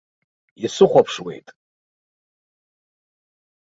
Исыхәаԥшуеит.